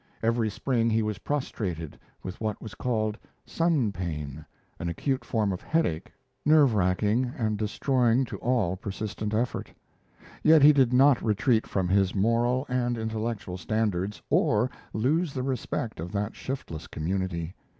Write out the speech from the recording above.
Every spring he was prostrated with what was called "sunpain," an acute form of headache, nerve racking and destroying to all persistent effort. Yet he did not retreat from his moral and intellectual standards, or lose the respect of that shiftless community.